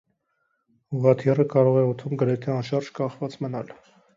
Ուղղաթիռը կարող է օդում գրեթե անշարժ կախված մնալ։